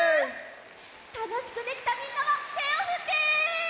たのしくできたみんなはてをふって！